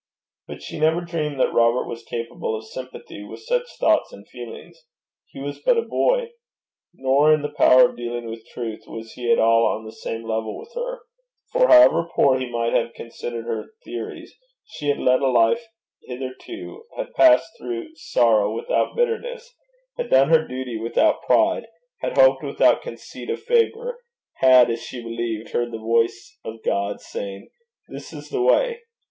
But she never dreamed that Robert was capable of sympathy with such thoughts and feelings: he was but a boy. Nor in power of dealing with truth was he at all on the same level with her, for however poor he might have considered her theories, she had led a life hitherto, had passed through sorrow without bitterness, had done her duty without pride, had hoped without conceit of favour, had, as she believed, heard the voice of God saying, 'This is the way.'